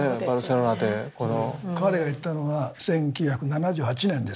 彼が行ったのは１９７８年ですよ。